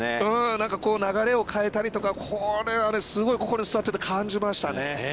なんか流れを変えたりとかこれはすごい、ここに座っていて、感じましたね。